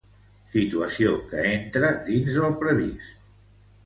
Situació que entra dins del previst.